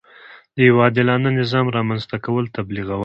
د یوه عادلانه نظام رامنځته کول تبلیغول.